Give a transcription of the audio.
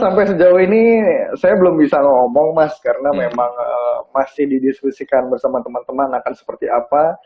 sampai sejauh ini saya belum bisa ngomong mas karena memang masih didiskusikan bersama teman teman akan seperti apa